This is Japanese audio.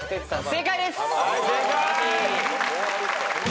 正解です！